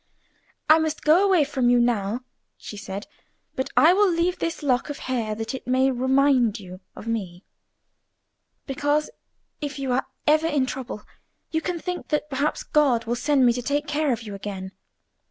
"I must go away from you now," she said, "but I will leave this lock of hair that it may remind you of me, because if you are ever in trouble you can think that perhaps God will send me to take care of you again.